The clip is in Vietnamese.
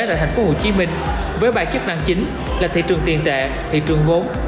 tại tp hcm với ba chức năng chính là thị trường tiền tệ thị trường vốn